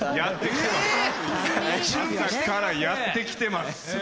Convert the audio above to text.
やってきてます。